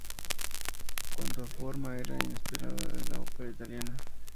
Cuanto a forma era inspirada en la Ópera Italiana.